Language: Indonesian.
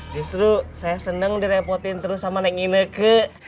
justru saya senang direpotin terus sama nek ine ke